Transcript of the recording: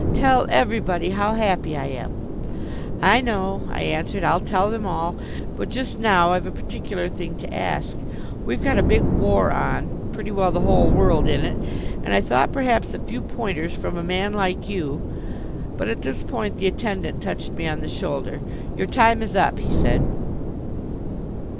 "Tell everybody how happy I am." "I know," I answered. "I'll tell them all. But just now I've a particular thing to ask. We've got a big war on, pretty well the whole world in it, and I thought perhaps a few pointers from a man like you " But at this point the attendant touched me on the shoulder. "Your time is up," he said.